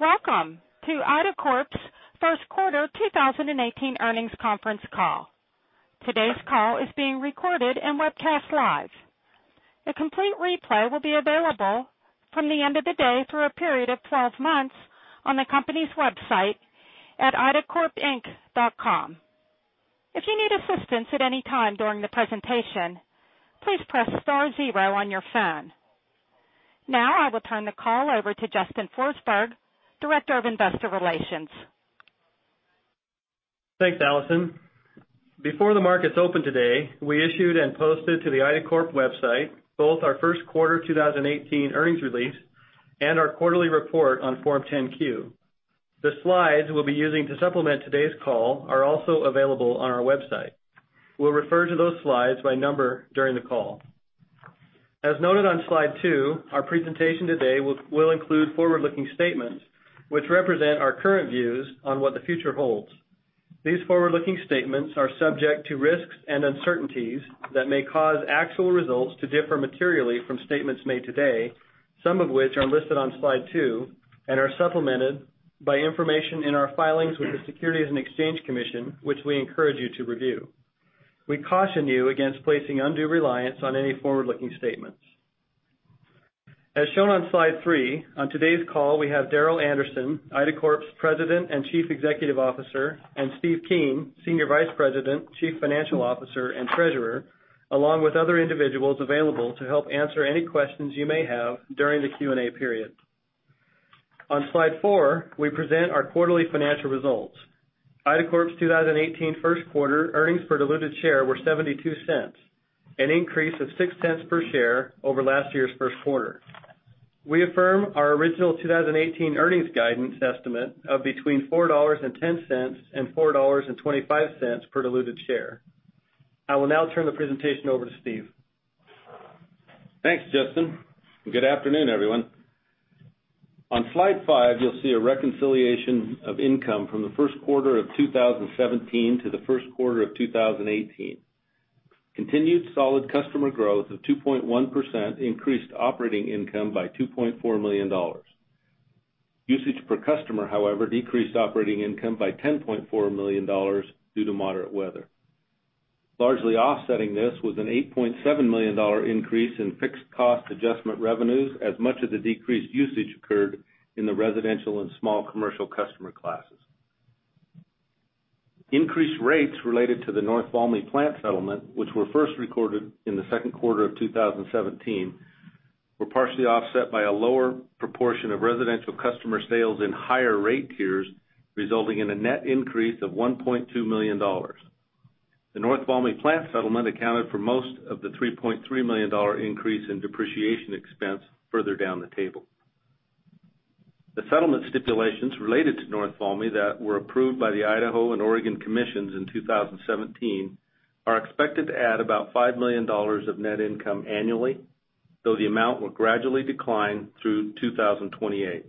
Welcome to IDACORP's first quarter 2018 earnings conference call. Today's call is being recorded and webcast live. A complete replay will be available from the end of the day through a period of 12 months on the company's website at idacorpinc.com. If you need assistance at any time during the presentation, please press star zero on your phone. Now, I will turn the call over to Justin Forsberg, Director of Investor Relations. Thanks, Allison. Before the markets opened today, we issued and posted to the IDACORP website both our first quarter 2018 earnings release and our quarterly report on Form 10-Q. The slides we'll be using to supplement today's call are also available on our website. We'll refer to those slides by number during the call. As noted on slide two, our presentation today will include forward-looking statements which represent our current views on what the future holds. These forward-looking statements are subject to risks and uncertainties that may cause actual results to differ materially from statements made today, some of which are listed on slide two and are supplemented by information in our filings with the Securities and Exchange Commission, which we encourage you to review. We caution you against placing undue reliance on any forward-looking statements. As shown on slide three, on today's call, we have Darrel Anderson, IDACORP's President and Chief Executive Officer, and Steven Keen, Senior Vice President, Chief Financial Officer, and Treasurer, along with other individuals available to help answer any questions you may have during the Q&A period. On slide four, we present our quarterly financial results. IDACORP's 2018 first quarter earnings per diluted share were $0.72, an increase of $0.06 per share over last year's first quarter. We affirm our original 2018 earnings guidance estimate of between $4.10 and $4.25 per diluted share. I will now turn the presentation over to Steven. Thanks, Justin, good afternoon, everyone. On slide five, you'll see a reconciliation of income from the first quarter of 2017 to the first quarter of 2018. Continued solid customer growth of 2.1% increased operating income by $2.4 million. Usage per customer, however, decreased operating income by $10.4 million due to moderate weather. Largely offsetting this was an $8.7 million increase in fixed cost adjustment revenues, as much of the decreased usage occurred in the residential and small commercial customer classes. Increased rates related to the North Valmy plant settlement, which were first recorded in the second quarter of 2017, were partially offset by a lower proportion of residential customer sales in higher rate tiers, resulting in a net increase of $1.2 million. The North Valmy plant settlement accounted for most of the $3.3 million increase in depreciation expense further down the table. The settlement stipulations related to North Valmy that were approved by the Idaho and Oregon commissions in 2017 are expected to add about $5 million of net income annually, though the amount will gradually decline through 2028.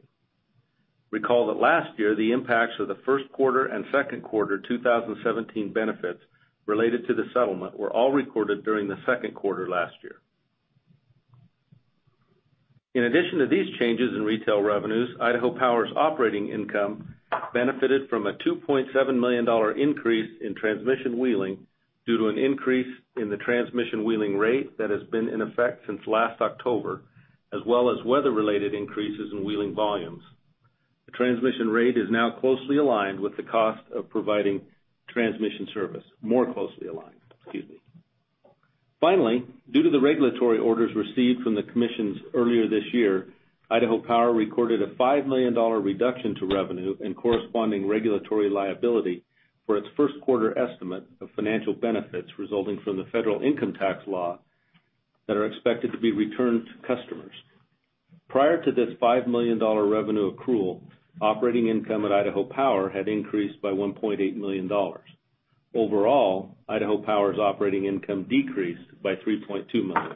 Recall that last year, the impacts of the first quarter and second quarter 2017 benefits related to the settlement were all recorded during the second quarter last year. In addition to these changes in retail revenues, Idaho Power's operating income benefited from a $2.7 million increase in transmission wheeling due to an increase in the transmission wheeling rate that has been in effect since last October, as well as weather-related increases in wheeling volumes. The transmission rate is now closely aligned with the cost of providing transmission service. More closely aligned, excuse me. Due to the regulatory orders received from the commissions earlier this year, Idaho Power recorded a $5 million reduction to revenue and corresponding regulatory liability for its first quarter estimate of financial benefits resulting from the federal income tax law that are expected to be returned to customers. Prior to this $5 million revenue accrual, operating income at Idaho Power had increased by $1.8 million. Overall, Idaho Power's operating income decreased by $3.2 million.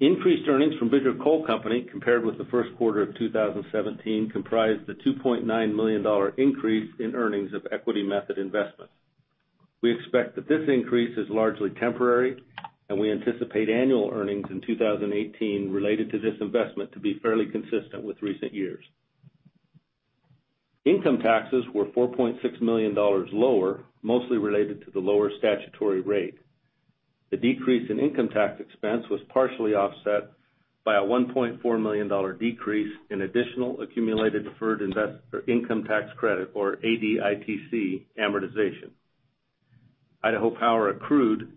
Increased earnings from Bridger Coal Company compared with the first quarter of 2017 comprised the $2.9 million increase in earnings of equity method investment. We expect that this increase is largely temporary, and we anticipate annual earnings in 2018 related to this investment to be fairly consistent with recent years. Income taxes were $4.6 million lower, mostly related to the lower statutory rate. The decrease in income tax expense was partially offset by a $1.4 million decrease in additional accumulated deferred invest or income tax credit, or ADITC amortization. Idaho Power accrued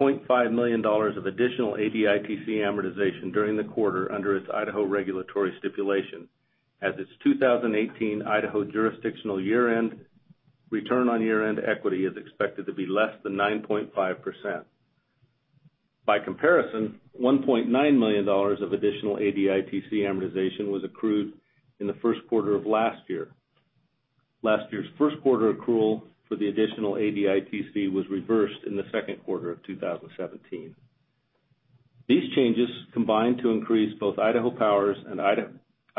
$0.5 million of additional ADITC amortization during the quarter under its Idaho regulatory stipulation as its 2018 Idaho jurisdictional year-end return on year-end equity is expected to be less than 9.5%. By comparison, $1.9 million of additional ADITC amortization was accrued in the first quarter of last year. Last year's first quarter accrual for the additional ADITC was reversed in the second quarter of 2017. These changes combined to increase both Idaho Power's and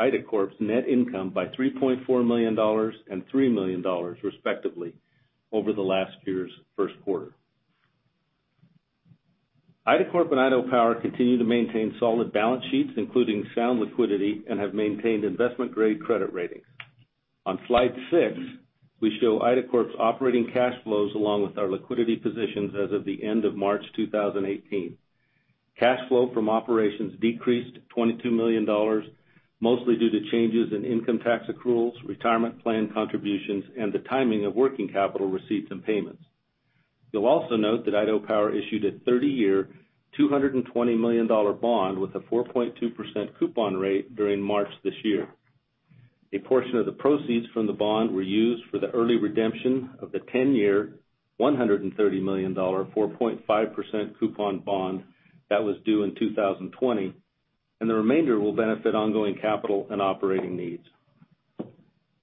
IDACORP's net income by $3.4 million and $3 million respectively over the last year's first quarter. IDACORP and Idaho Power continue to maintain solid balance sheets, including sound liquidity, and have maintained investment-grade credit ratings. On slide six, we show IDACORP's operating cash flows along with our liquidity positions as of the end of March 2018. Cash flow from operations decreased $22 million, mostly due to changes in income tax accruals, retirement plan contributions, and the timing of working capital receipts and payments. You'll also note that Idaho Power issued a 30-year, $220 million bond with a 4.2% coupon rate during March this year. A portion of the proceeds from the bond were used for the early redemption of the 10-year, $130 million, 4.5% coupon bond that was due in 2020, and the remainder will benefit ongoing capital and operating needs.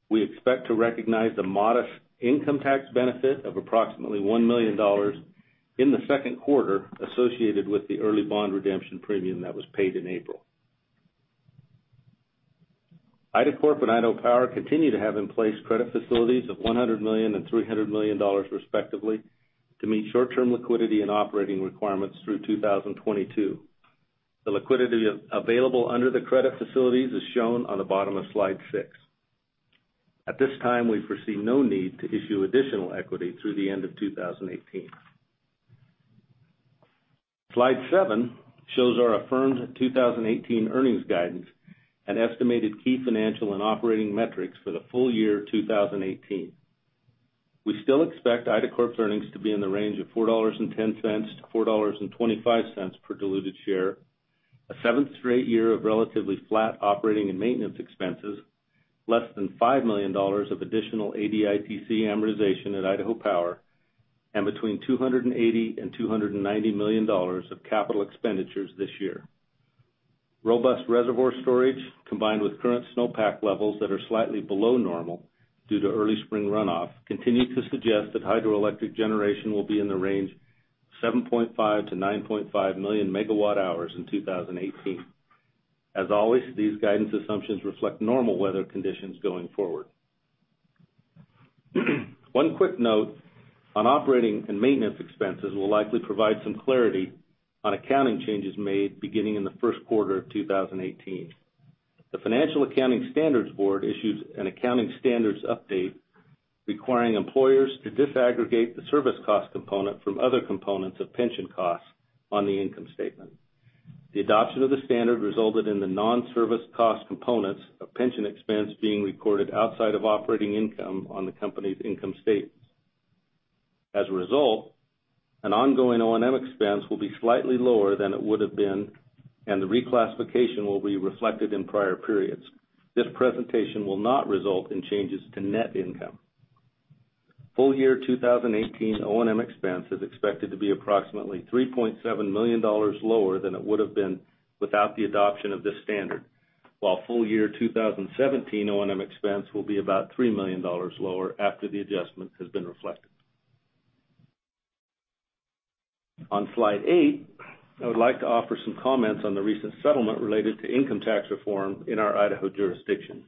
We expect to recognize the modest income tax benefit of approximately $1 million in the second quarter associated with the early bond redemption premium that was paid in April. IDACORP and Idaho Power continue to have in place credit facilities of $100 million and $300 million, respectively, to meet short-term liquidity and operating requirements through 2022. The liquidity available under the credit facilities is shown on the bottom of slide six. At this time, we foresee no need to issue additional equity through the end of 2018. Slide seven shows our affirmed 2018 earnings guidance and estimated key financial and operating metrics for the full year 2018. We still expect IDACORP's earnings to be in the range of $4.10 to $4.25 per diluted share, a seventh straight year of relatively flat operating and maintenance expenses, less than $5 million of additional ADITC amortization at Idaho Power, and between $280 million and $290 million of capital expenditures this year. Robust reservoir storage, combined with current snowpack levels that are slightly below normal due to early spring runoff, continue to suggest that hydroelectric generation will be in the range of 7.5 million to 9.5 million megawatt hours in 2018. As always, these guidance assumptions reflect normal weather conditions going forward. One quick note on operating and maintenance expenses will likely provide some clarity on accounting changes made beginning in the first quarter of 2018. The Financial Accounting Standards Board issued an accounting standards update requiring employers to disaggregate the service cost component from other components of pension costs on the income statement. The adoption of the standard resulted in the non-service cost components of pension expense being recorded outside of operating income on the company's income statements. As a result, an ongoing O&M expense will be slightly lower than it would've been, and the reclassification will be reflected in prior periods. This presentation will not result in changes to net income. Full year 2018 O&M expense is expected to be approximately $3.7 million lower than it would've been without the adoption of this standard. While full year 2017 O&M expense will be about $3 million lower after the adjustment has been reflected. On slide eight, I would like to offer some comments on the recent settlement related to income tax reform in our Idaho jurisdiction.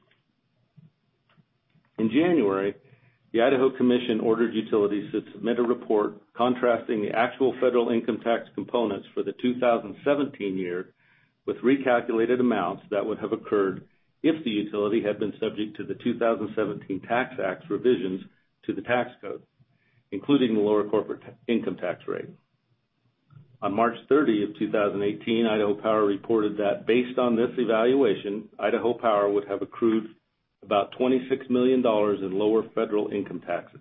In January, the Idaho Commission ordered utilities to submit a report contrasting the actual federal income tax components for the 2017 year with recalculated amounts that would have occurred if the utility had been subject to the 2017 Tax Act's revisions to the tax code, including the lower corporate income tax rate. On March 30th, 2018, Idaho Power reported that based on this evaluation, Idaho Power would have accrued about $26 million in lower federal income taxes.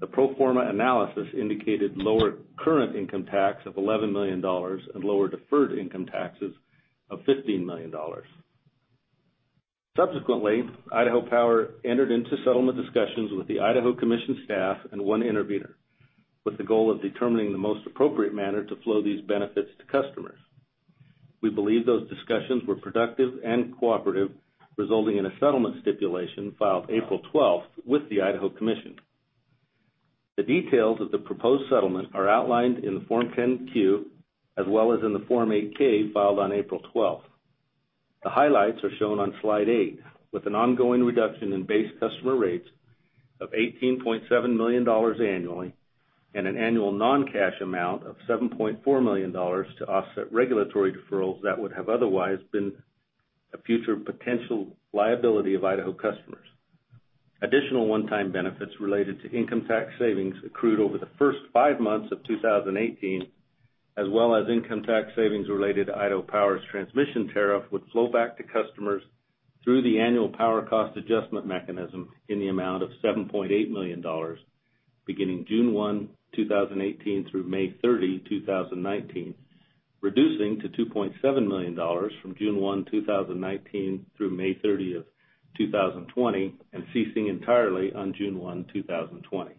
The pro forma analysis indicated lower current income tax of $11 million and lower deferred income taxes of $15 million. Subsequently, Idaho Power entered into settlement discussions with the Idaho Commission staff and one intervener with the goal of determining the most appropriate manner to flow these benefits to customers. We believe those discussions were productive and cooperative, resulting in a settlement stipulation filed April 12th with the Idaho Commission. The details of the proposed settlement are outlined in the Form 10-Q, as well as in the Form 8-K filed on April 12th. The highlights are shown on slide eight, with an ongoing reduction in base customer rates of $18.7 million annually and an annual non-cash amount of $7.4 million to offset regulatory deferrals that would have otherwise been a future potential liability of Idaho customers. Additional one-time benefits related to income tax savings accrued over the first five months of 2018, as well as income tax savings related to Idaho Power's transmission tariff would flow back to customers through the annual power cost adjustment mechanism in the amount of $7.8 million beginning June 1, 2018 through May 30, 2019, reducing to $2.7 million from June 1, 2019 through May 30th, 2020 and ceasing entirely on June 1, 2020.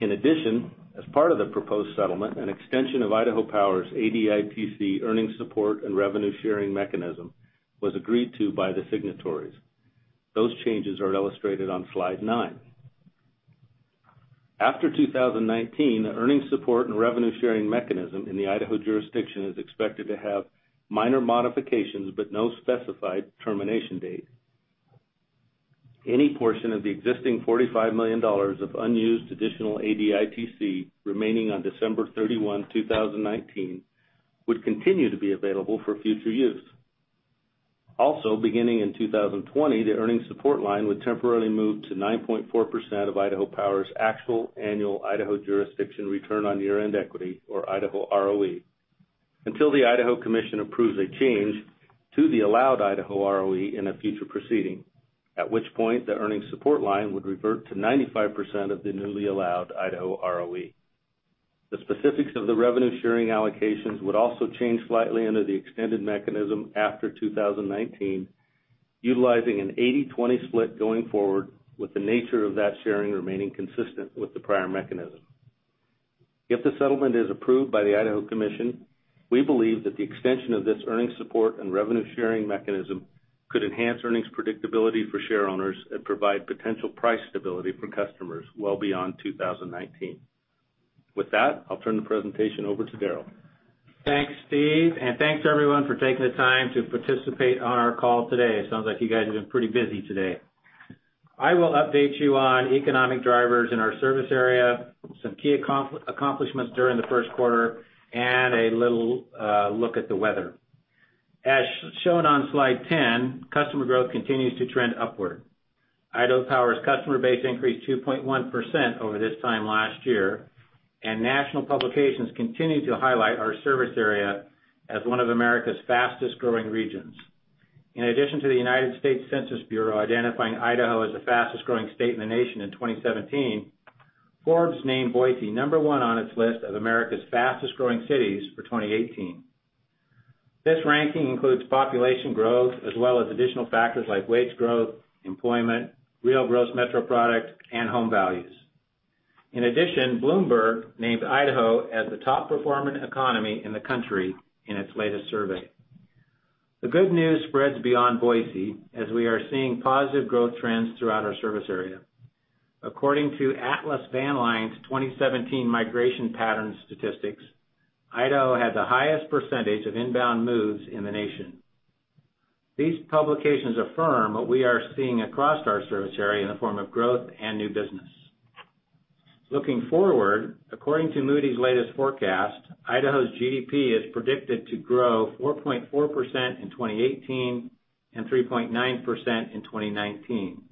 In addition, as part of the proposed settlement, an extension of Idaho Power's ADITC earnings support and revenue-sharing mechanism was agreed to by the signatories. Those changes are illustrated on slide nine. After 2019, the earnings support and revenue-sharing mechanism in the Idaho jurisdiction is expected to have minor modifications but no specified termination date. Any portion of the existing $45 million of unused additional ADITC remaining on December 31, 2019, would continue to be available for future use. Also, beginning in 2020, the earnings support line would temporarily move to 9.4% of Idaho Power's actual annual Idaho jurisdiction return on year-end equity, or Idaho ROE, until the Idaho Commission approves a change to the allowed Idaho ROE in a future proceeding, at which point the earnings support line would revert to 95% of the newly allowed Idaho ROE. The specifics of the revenue-sharing allocations would also change slightly under the extended mechanism after 2019, utilizing an 80/20 split going forward, with the nature of that sharing remaining consistent with the prior mechanism. If the settlement is approved by the Idaho Commission, we believe that the extension of this earnings support and revenue-sharing mechanism could enhance earnings predictability for share owners and provide potential price stability for customers well beyond 2019. With that, I'll turn the presentation over to Darrel. Thanks, Steve, and thanks, everyone, for taking the time to participate on our call today. It sounds like you guys have been pretty busy today. I will update you on economic drivers in our service area, some key accomplishments during the first quarter, and a little look at the weather. As shown on slide 10, customer growth continues to trend upward. Idaho Power's customer base increased 2.1% over this time last year, and national publications continue to highlight our service area as one of America's fastest-growing regions. In addition to the United States Census Bureau identifying Idaho as the fastest-growing state in the nation in 2017, Forbes named Boise number 1 on its list of America's fastest-growing cities for 2018. This ranking includes population growth as well as additional factors like wage growth, employment, real gross metro product, and home values. In addition, Bloomberg named Idaho as the top-performing economy in the country in its latest survey. The good news spreads beyond Boise, as we are seeing positive growth trends throughout our service area. According to Atlas Van Lines' 2017 migration patterns statistics, Idaho had the highest percentage of inbound moves in the nation. These publications affirm what we are seeing across our service area in the form of growth and new business. Looking forward, according to Moody's latest forecast, Idaho's GDP is predicted to grow 4.4% in 2018 and 3.9% in 2019.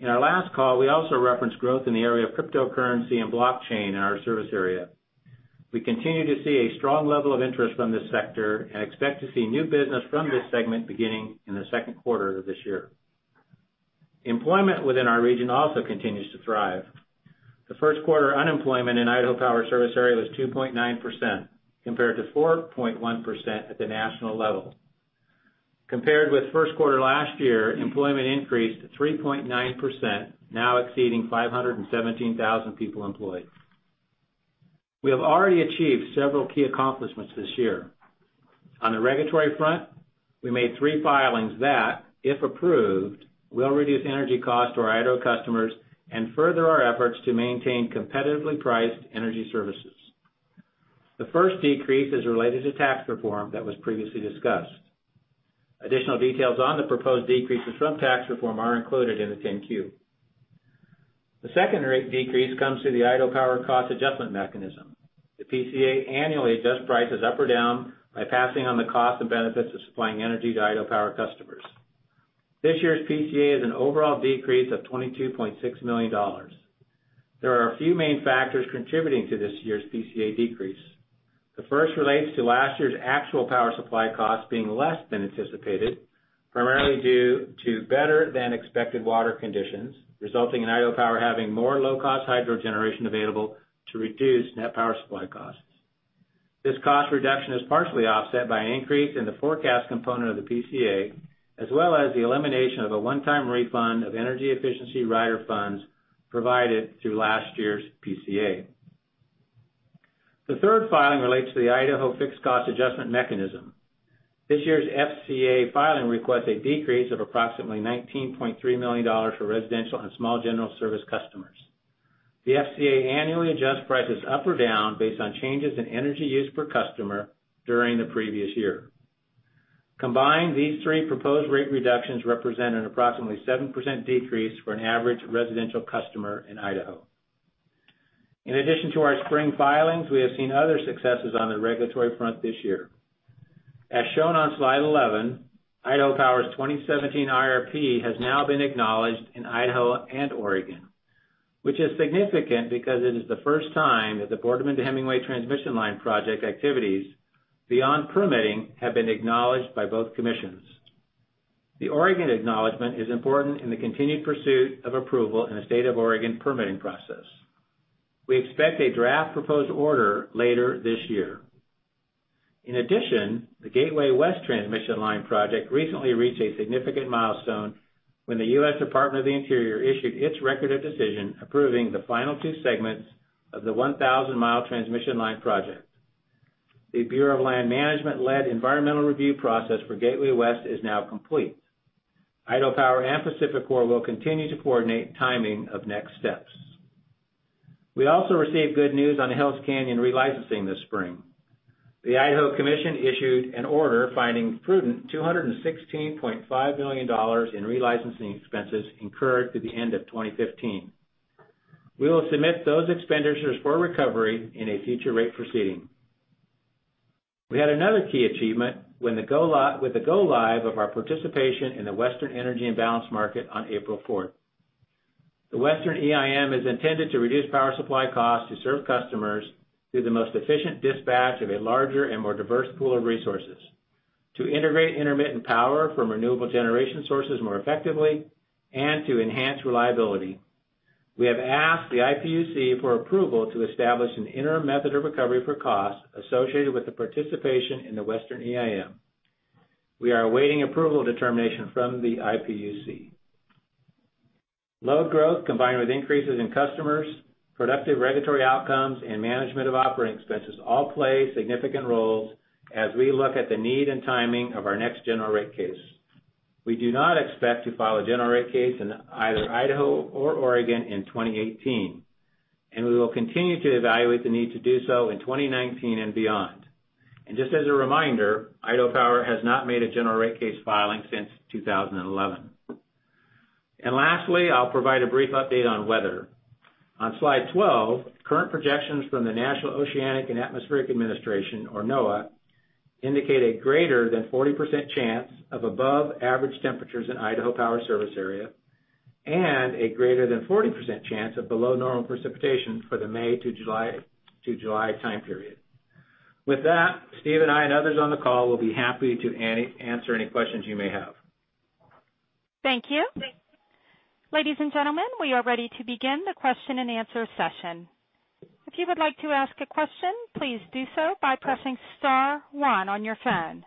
In our last call, we also referenced growth in the area of cryptocurrency and blockchain in our service area. We continue to see a strong level of interest from this sector and expect to see new business from this segment beginning in the second quarter of this year. Employment within our region also continues to thrive. The first quarter unemployment in Idaho Power service area was 2.9%, compared to 4.1% at the national level. Compared with first quarter last year, employment increased to 3.9%, now exceeding 517,000 people employed. We have already achieved several key accomplishments this year. On the regulatory front, we made three filings that, if approved, will reduce energy costs to our Idaho customers and further our efforts to maintain competitively priced energy services. The first decrease is related to tax reform that was previously discussed. Additional details on the proposed decreases from tax reform are included in the 10-Q. The second rate decrease comes through the Idaho Power Cost Adjustment mechanism. The PCA annually adjusts prices up or down by passing on the cost and benefits of supplying energy to Idaho Power customers. This year's PCA is an overall decrease of $22.6 million. There are a few main factors contributing to this year's PCA decrease. The first relates to last year's actual power supply costs being less than anticipated, primarily due to better-than-expected water conditions, resulting in Idaho Power having more low-cost hydro generation available to reduce net power supply costs. This cost reduction is partially offset by an increase in the forecast component of the PCA, as well as the elimination of a one-time refund of energy efficiency rider funds provided through last year's PCA. The third filing relates to the Idaho Fixed Cost Adjustment mechanism. This year's FCA filing requests a decrease of approximately $19.3 million for residential and small general service customers. The FCA annually adjusts prices up or down based on changes in energy use per customer during the previous year. Combined, these three proposed rate reductions represent an approximately 7% decrease for an average residential customer in Idaho. In addition to our spring filings, we have seen other successes on the regulatory front this year. As shown on slide 11, Idaho Power's 2017 IRP has now been acknowledged in Idaho and Oregon, which is significant because it is the first time that the Boardman to Hemingway Transmission Line Project activities beyond permitting have been acknowledged by both commissions. The Oregon acknowledgment is important in the continued pursuit of approval in the State of Oregon permitting process. We expect a draft proposed order later this year. In addition, the Gateway West Transmission Line Project recently reached a significant milestone when the U.S. Department of the Interior issued its record of decision approving the final two segments of the 1,000-mile transmission line project. The Bureau of Land Management-led environmental review process for Gateway West is now complete. Idaho Power and PacifiCorp will continue to coordinate timing of next steps. We also received good news on the Hells Canyon re-licensing this spring. The Idaho Commission issued an order finding prudent $216.5 million in re-licensing expenses incurred through the end of 2015. We will submit those expenditures for recovery in a future rate proceeding. We had another key achievement with the go-live of our participation in the Western Energy Imbalance Market on April fourth. The Western EIM is intended to reduce power supply costs to serve customers through the most efficient dispatch of a larger and more diverse pool of resources, to integrate intermittent power from renewable generation sources more effectively, and to enhance reliability. We have asked the IPUC for approval to establish an interim method of recovery for costs associated with the participation in the Western EIM. We are awaiting approval determination from the IPUC. Load growth combined with increases in customers, productive regulatory outcomes, and management of operating expenses all play significant roles as we look at the need and timing of our next general rate case. We do not expect to file a general rate case in either Idaho or Oregon in 2018, and we will continue to evaluate the need to do so in 2019 and beyond. Just as a reminder, Idaho Power has not made a general rate case filing since 2011. Lastly, I'll provide a brief update on weather. On slide 12, current projections from the National Oceanic and Atmospheric Administration, or NOAA, indicate a greater than 40% chance of above average temperatures in Idaho Power service area and a greater than 40% chance of below normal precipitation for the May to July time period. With that, Steve and I and others on the call will be happy to answer any questions you may have. Thank you. Ladies and gentlemen, we are ready to begin the question and answer session. If you would like to ask a question, please do so by pressing star one on your phone.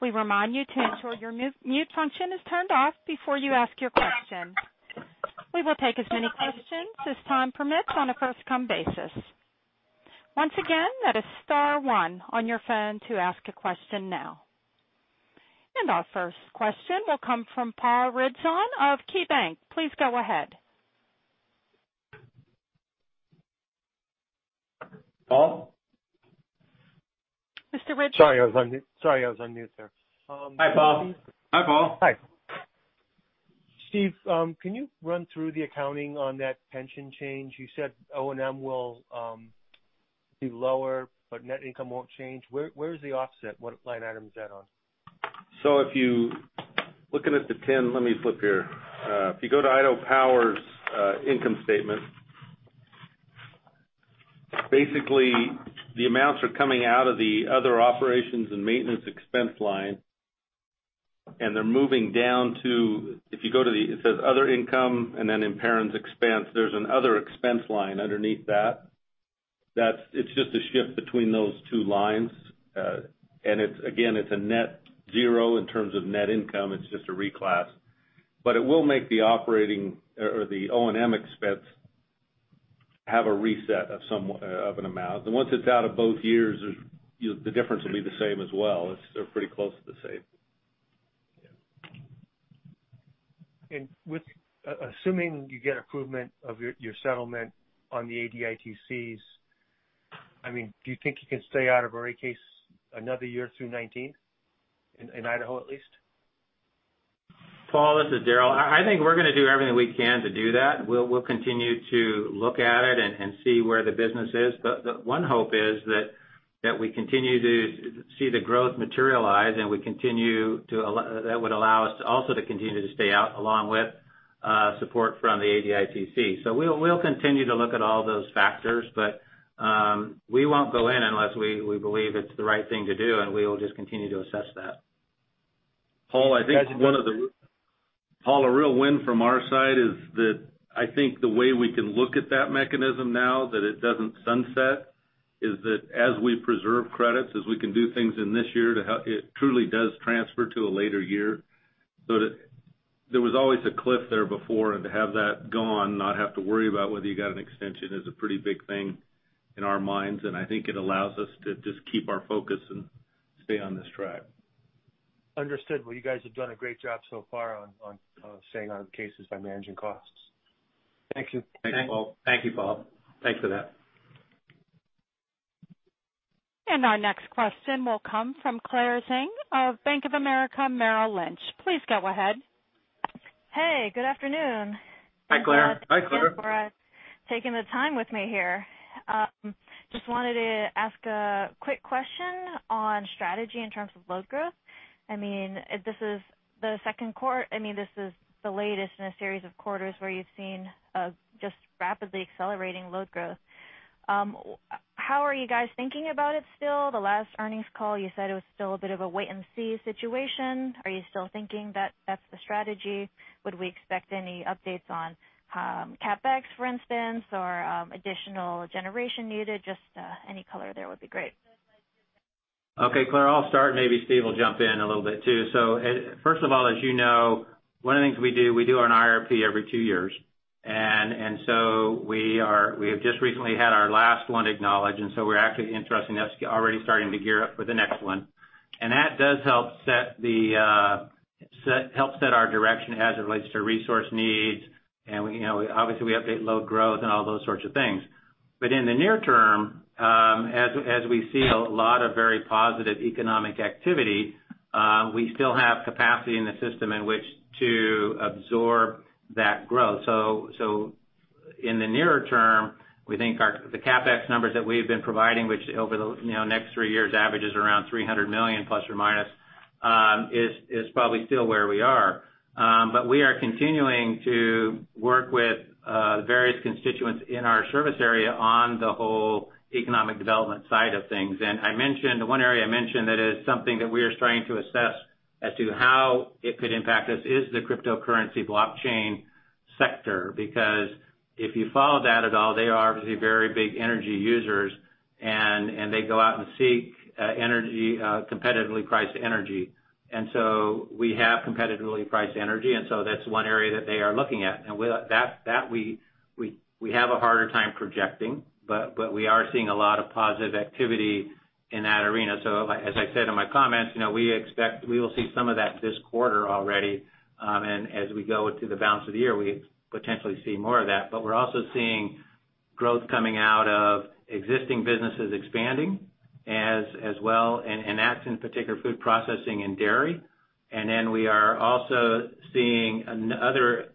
We remind you to ensure your mute function is turned off before you ask your question. We will take as many questions as time permits on a first-come basis. Once again, that is star one on your phone to ask a question now. Our first question will come from Paul Ridzon of KeyBank. Please go ahead. Paul? Mr. Ridzon? Sorry, I was on mute, sir. Hi, Paul. Please- Hi, Paul. Hi. Steve, can you run through the accounting on that pension change? You said O&M will be lower, but net income won't change. Where is the offset? What line item is that on? Looking at the ten, let me flip here. If you go to Idaho Power's income statement, basically the amounts are coming out of the other operations and maintenance expense line, and they're moving down to, if you go to the, it says "other income," and then in parentheses, "expense." There's an "other expense" line underneath that. It's just a shift between those two lines. Again, it's a net zero in terms of net income. It's just a reclass. It will make the operating or the O&M expense have a reset of an amount. Once it's out of both years, the difference will be the same as well. They're pretty close to the same. With assuming you get approval of your settlement on the ADITCs, do you think you can stay out of a rate case another year through 2019? In Idaho, at least? Paul, this is Darrel. I think we're going to do everything we can to do that. We'll continue to look at it and see where the business is. The one hope is that we continue to see the growth materialize, and that would allow us to also to continue to stay out, along with support from the ADITC. We'll continue to look at all those factors, but we won't go in unless we believe it's the right thing to do, and we will just continue to assess that. Paul, I think. Paul, a real win from our side is that I think the way we can look at that mechanism now that it doesn't sunset, is that as we preserve credits, as we can do things in this year, it truly does transfer to a later year. There was always a cliff there before, and to have that gone, not have to worry about whether you got an extension is a pretty big thing in our minds, I think it allows us to just keep our focus and stay on this track. Understood. Well, you guys have done a great job so far on staying out of cases by managing costs. Thank you. Thanks, Paul. Thank you, Paul. Thanks for that. Our next question will come from Julien Dumoulin-Smith of Bank of America Merrill Lynch. Please go ahead. Hey, good afternoon. Hi, Claire. Thanks for- Hi, Claire Wanted to ask a quick question on strategy in terms of load growth. This is the latest in a series of quarters where you've seen a rapidly accelerating load growth. How are you guys thinking about it still? The last earnings call, you said it was still a bit of a wait-and-see situation. Are you still thinking that that's the strategy? Would we expect any updates on CapEx, for instance, or additional generation needed? Any color there would be great. Okay, Claire, I'll start and maybe Steve will jump in a little bit too. First of all, as you know, one of the things we do an IRP every two years. We have just recently had our last one acknowledged, and we're actually interested in that. Already starting to gear up for the next one. That does help set our direction as it relates to resource needs. Obviously, we update load growth and all those sorts of things. In the near term, as we see a lot of very positive economic activity, we still have capacity in the system in which to absorb that growth. In the nearer term, we think the CapEx numbers that we have been providing, which over the next three years averages around $300 million ±, is probably still where we are. We are continuing to work with various constituents in our service area on the whole economic development side of things. The one area I mentioned that is something that we are starting to assess as to how it could impact us is the cryptocurrency blockchain sector. If you follow that at all, they are obviously very big energy users, and they go out and seek competitively priced energy. We have competitively priced energy, that's one area that they are looking at. That, we have a harder time projecting, but we are seeing a lot of positive activity in that arena. As I said in my comments, we expect we will see some of that this quarter already. As we go into the balance of the year, we potentially see more of that. We're also seeing growth coming out of existing businesses expanding as well, and that's in particular food processing and dairy. We are also seeing other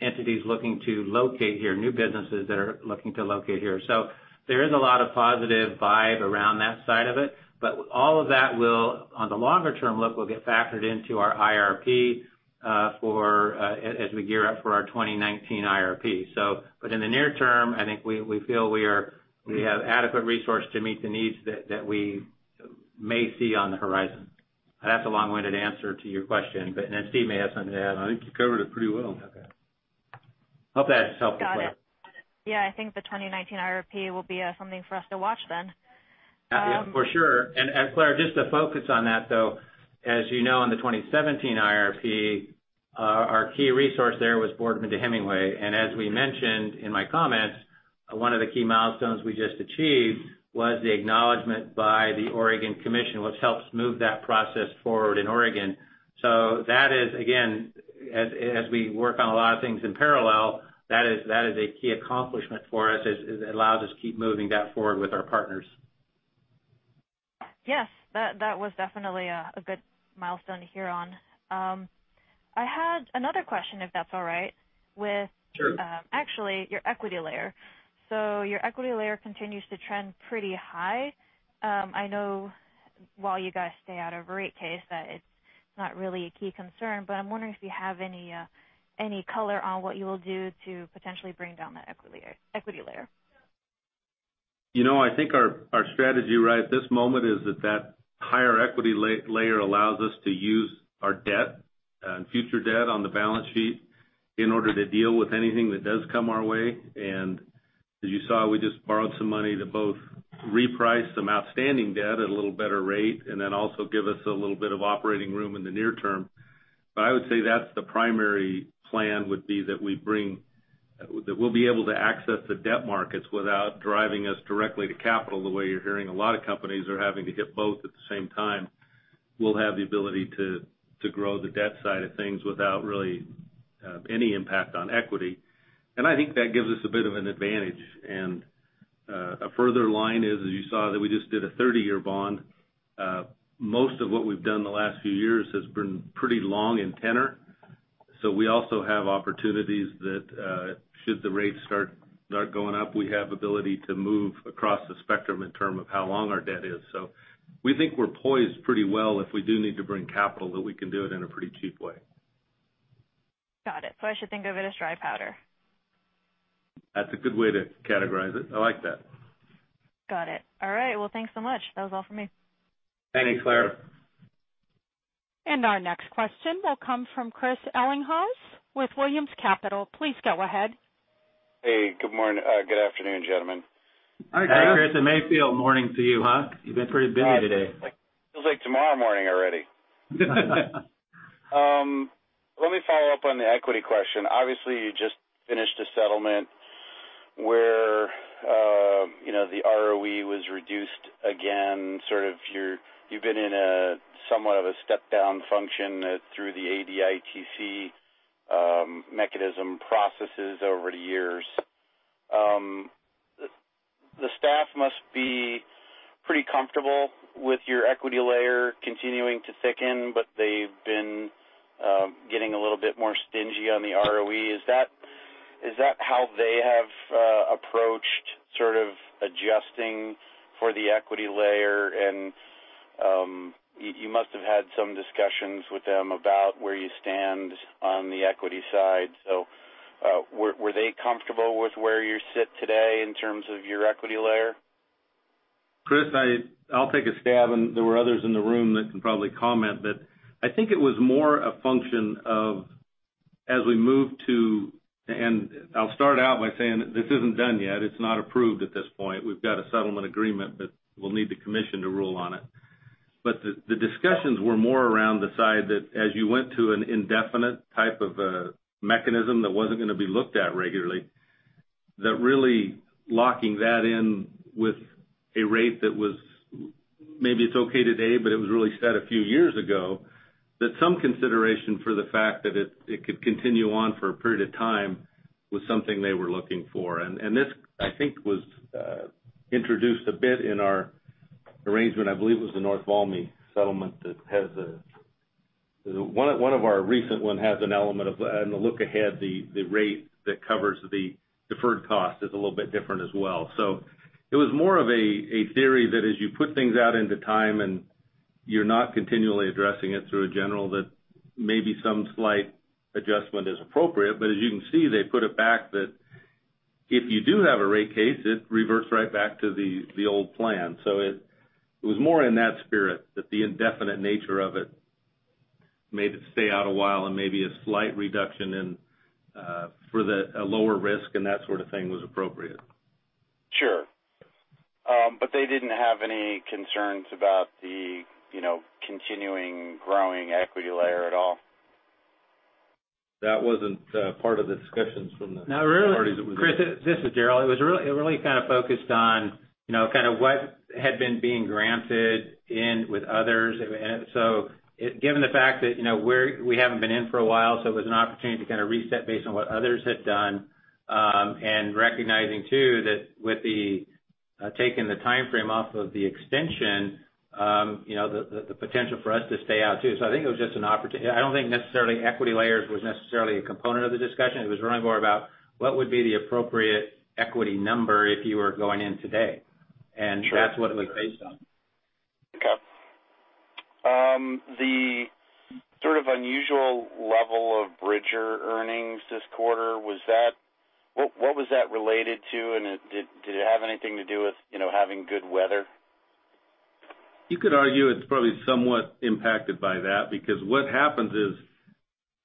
entities looking to locate here, new businesses that are looking to locate here. There is a lot of positive vibe around that side of it. All of that will, on the longer-term look, will get factored into our IRP as we gear up for our 2019 IRP. In the near term, I think we feel we have adequate resource to meet the needs that we may see on the horizon. That's a long-winded answer to your question, Steve may have something to add. I think you covered it pretty well. Okay. Hope that's helpful, Claire. Got it. I think the 2019 IRP will be something for us to watch then. For sure. Claire, just to focus on that, though, as you know, in the 2017 IRP, our key resource there was Boardman to Hemingway. As we mentioned in my comments, one of the key milestones we just achieved was the acknowledgement by the Oregon Commission, which helps move that process forward in Oregon. That is, again, as we work on a lot of things in parallel, that is a key accomplishment for us. It allows us to keep moving that forward with our partners. Yes. That was definitely a good milestone to hear on. I had another question, if that's all right. Sure. With, actually, your equity layer. Your equity layer continues to trend pretty high. I know while you guys stay out of rate case that it's not really a key concern, but I'm wondering if you have any color on what you will do to potentially bring down that equity layer. I think our strategy right at this moment is that that higher equity layer allows us to use our debt and future debt on the balance sheet in order to deal with anything that does come our way. As you saw, we just borrowed some money to both reprice some outstanding debt at a little better rate, and then also give us a little bit of operating room in the near term. I would say that's the primary plan would be that we'll be able to access the debt markets without driving us directly to capital, the way you're hearing a lot of companies are having to hit both at the same time. We'll have the ability to grow the debt side of things without really any impact on equity. I think that gives us a bit of an advantage. A further line is, as you saw, that we just did a 30-year bond. Most of what we've done the last few years has been pretty long in tenor. We also have opportunities that, should the rates start going up, we have ability to move across the spectrum in term of how long our debt is. We think we're poised pretty well if we do need to bring capital, that we can do it in a pretty cheap way. Got it. I should think of it as dry powder. That's a good way to categorize it. I like that. Got it. All right. Well, thanks so much. That was all for me. Thanks, Claire. Our next question will come from Chris Ellinghaus with Williams Capital. Please go ahead. Hey, good morning. Good afternoon, gentlemen. Hi, Chris. It may feel morning to you, huh? You've been pretty busy today. Feels like tomorrow morning already. Let me follow up on the equity question. Obviously, you just finished a settlement where the ROE was reduced again. You've been in a somewhat of a step-down function through the ADITC mechanism processes over the years. The staff must be pretty comfortable with your equity layer continuing to thicken, but they've been getting a little bit more stingy on the ROE. Is that how they have approached sort of adjusting for the equity layer? You must have had some discussions with them about where you stand on the equity side. Were they comfortable with where you sit today in terms of your equity layer? Chris, I'll take a stab, there were others in the room that can probably comment. I think it was more a function of as we move to-- I'll start out by saying that this isn't done yet. It's not approved at this point. We've got a settlement agreement, but we'll need the commission to rule on it. The discussions were more around the side that as you went to an indefinite type of a mechanism that wasn't going to be looked at regularly That really locking that in with a rate that was, maybe it's okay today, but it was really set a few years ago, that some consideration for the fact that it could continue on for a period of time was something they were looking for. This, I think, was introduced a bit in our arrangement. I believe it was the North Valmy settlement, one of our recent one has an element of, in the look ahead, the rate that covers the deferred cost is a little bit different as well. It was more of a theory that as you put things out into time and you're not continually addressing it through a general, that maybe some slight adjustment is appropriate. As you can see, they put it back that if you do have a rate case, it reverts right back to the old plan. It was more in that spirit that the indefinite nature of it made it stay out a while and maybe a slight reduction in for a lower risk and that sort of thing was appropriate. Sure. They didn't have any concerns about the continuing growing equity layer at all? That wasn't part of the discussions. No, really. Chris, this is Darrel. It really kind of focused on what had been being granted in with others. Given the fact that we haven't been in for a while, so it was an opportunity to kind of reset based on what others had done. Recognizing too, that with the taking the timeframe off of the extension, the potential for us to stay out too. I think it was just an opportunity. I don't think necessarily equity layers was necessarily a component of the discussion. It was really more about what would be the appropriate equity number if you were going in today. That's what it was based on. Okay. The sort of unusual level of Bridger earnings this quarter, what was that related to? Did it have anything to do with having good weather? You could argue it's probably somewhat impacted by that, because what happens is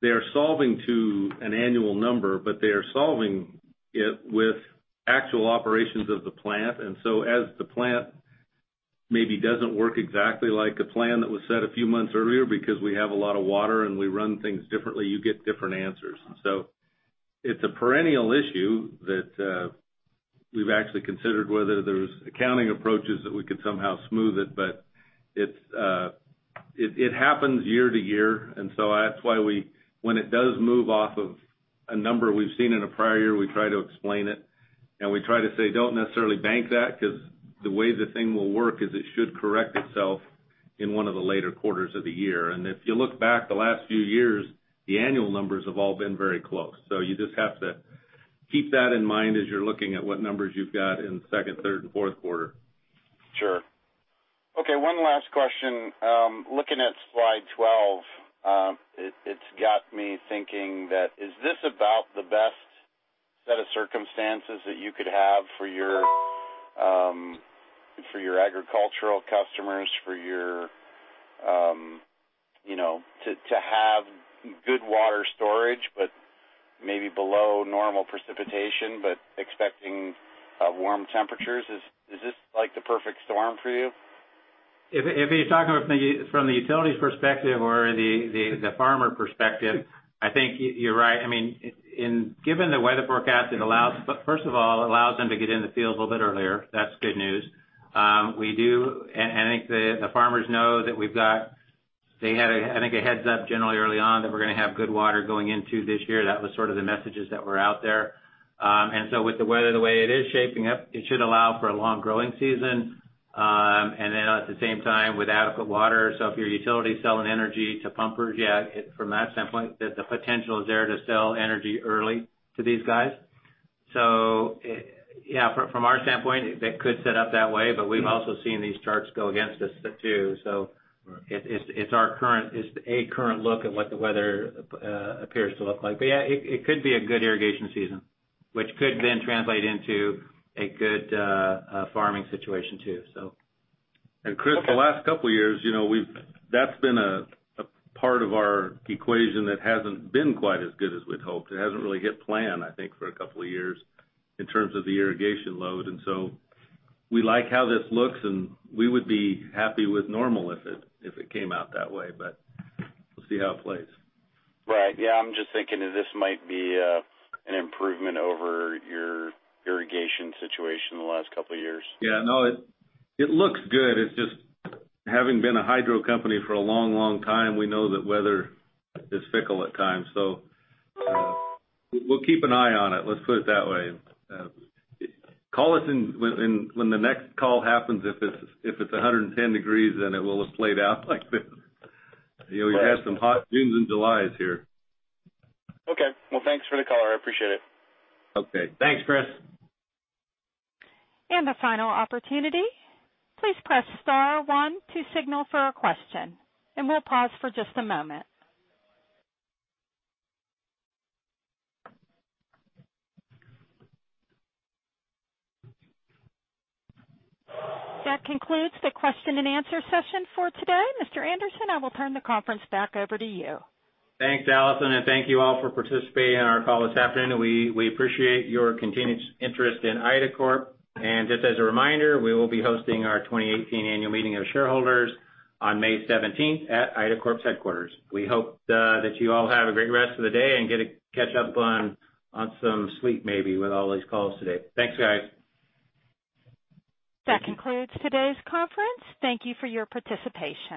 they are solving to an annual number, but they are solving it with actual operations of the plant. As the plant maybe doesn't work exactly like a plan that was set a few months earlier because we have a lot of water and we run things differently, you get different answers. It's a perennial issue that we've actually considered whether there's accounting approaches that we could somehow smooth it. It happens year to year. That's why when it does move off of a number we've seen in a prior year, we try to explain it. We try to say, "Don't necessarily bank that," because the way the thing will work is it should correct itself in one of the later quarters of the year. If you look back the last few years, the annual numbers have all been very close. You just have to keep that in mind as you're looking at what numbers you've got in second, third, and fourth quarter. Sure. Okay, one last question. Looking at slide 12, it's got me thinking that, is this about the best set of circumstances that you could have for your agricultural customers, to have good water storage, but maybe below normal precipitation, but expecting warm temperatures? Is this like the perfect storm for you? If you're talking from the utilities perspective or the farmer perspective, I think you're right. Given the weather forecast, first of all, it allows them to get in the field a little bit earlier. That's good news. I think the farmers know that we've got They had, I think, a heads-up generally early on that we're going to have good water going into this year. That was sort of the messages that were out there. With the weather the way it is shaping up, it should allow for a long growing season. Then at the same time, with adequate water, so if you're a utility selling energy to pumpers, yeah, from that standpoint, the potential is there to sell energy early to these guys. Yeah, from our standpoint, it could set up that way, but we've also seen these charts go against us, too. It's a current look at what the weather appears to look like. Yeah, it could be a good irrigation season, which could then translate into a good farming situation, too. And Chris, the last couple of years, that's been a part of our equation that hasn't been quite as good as we'd hoped. It hasn't really hit plan, I think, for a couple of years in terms of the irrigation load. We like how this looks, and we would be happy with normal if it came out that way, but we'll see how it plays. Right. Yeah, I'm just thinking that this might be an improvement over your irrigation situation the last couple of years. Yeah. No, it looks good. It's just having been a hydro company for a long, long time, we know that weather is fickle at times. We'll keep an eye on it. Let's put it that way. Call us when the next call happens if it's 110 degrees and it will have played out like this. We've had some hot Junes and Julys here. Okay. Well, thanks for the color. I appreciate it. Okay. Thanks, Chris. The final opportunity, please press star one to signal for a question. We'll pause for just a moment. That concludes the question and answer session for today. Mr. Anderson, I will turn the conference back over to you. Thanks, Allison, and thank you all for participating in our call this afternoon. We appreciate your continued interest in IDACORP. Just as a reminder, we will be hosting our 2018 annual meeting of shareholders on May 17th at IDACORP's headquarters. We hope that you all have a great rest of the day and get to catch up on some sleep maybe with all these calls today. Thanks, guys. That concludes today's conference. Thank you for your participation.